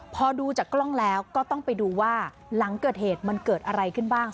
พอดูจากกล้องแล้วก็ต้องไปดูว่าหลังเกิดเหตุมันเกิดอะไรขึ้นบ้าง